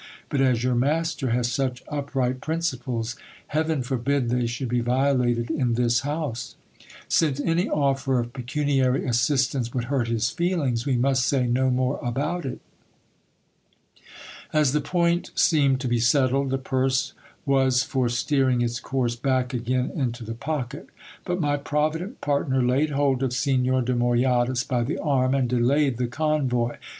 But as your master has such upright principles, heaven forbid they should be violated in this house ! Since any offer of pecuniary assistance would hurt his feelings, we must say no more about it. As the point seemed to be settled, the purse was for steering its course back again into the pocket ; but my provident partner laid hold of Signor de Moyadas by the arm, and delayed the convoy.